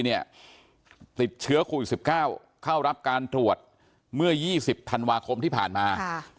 ติดเชื้อโควิด๑๙เข้ารับการตรวจเมื่อ๒๐ธันวาคมที่ผ่านมา